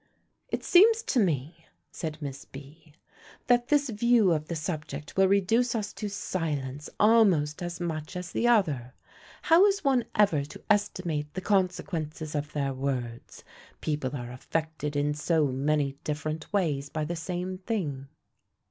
"It seems to me," said Miss B., "that this view of the subject will reduce us to silence almost as much as the other. How is one ever to estimate the consequences of their words, people are affected in so many different ways by the same thing?"